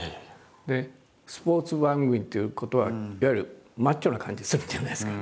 でスポーツ番組っていうことはいわゆるマッチョな感じするじゃないですか。